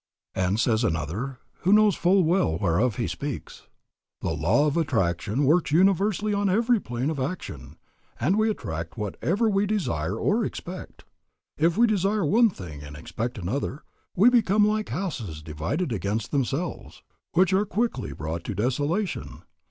And says another who knows full well whereof he speaks: "The law of attraction works universally on every plane of action, and we attract whatever we desire or expect. If we desire one thing and expect another, we become like houses divided against themselves, which are quickly brought to desolation.